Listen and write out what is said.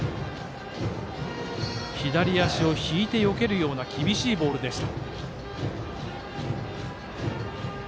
左足を引いてよけるような厳しいボールでした。